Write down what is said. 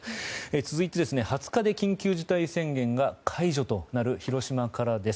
続いて２０日で緊急事態宣言が解除となる広島からです。